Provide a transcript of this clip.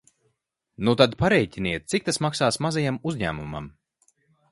Nu tad parēķiniet, cik tas maksās tam mazajam uzņēmumam!